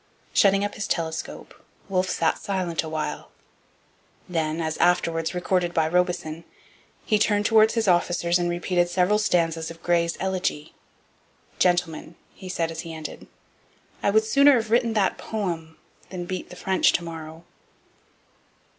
Shutting up his telescope, Wolfe sat silent a while. Then, as afterwards recorded by Robison, he turned towards his officers and repeated several stanzas of Gray's Elegy. 'Gentlemen,' he said as he ended, 'I would sooner have written that poem than beat the French to morrow.'